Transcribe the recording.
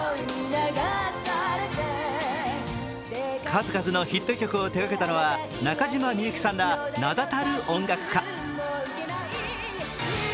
数々のヒット曲を手がけたのは中島みゆきさんら名だたる音楽家。